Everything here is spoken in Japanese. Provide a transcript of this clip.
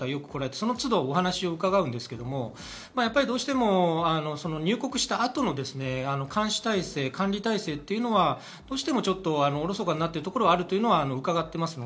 その都度お話を伺いますが、入国した後の監視体制、管理体制というのはどうしてもおろそかになってるところはあるというのを伺っています。